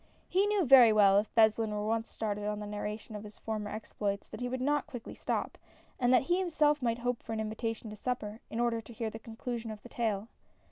He knew very well if Beslin were once started on the narration of his former exploits, that he would not quickly stop, and that he himself might hope for an invitation to supper, in order to hear the conclusion of the tale.